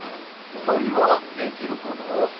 ふたりはできるかな？